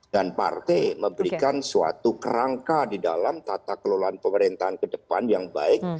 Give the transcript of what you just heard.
dan partai memberikan suatu kerangka di dalam tata kelolaan pemerintahan ke depan yang baik